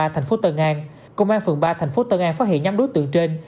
thành phố tân an công an phường ba thành phố tân an phát hiện nhóm đối tượng trên